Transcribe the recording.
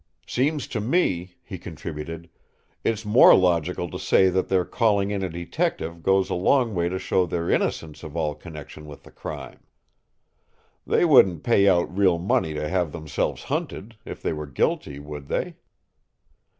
"Seems to me," he contributed, "it's more logical to say that their calling in a detective goes a long way to show their innocence of all connection with the crime. They wouldn't pay out real money to have themselves hunted, if they were guilty, would they?"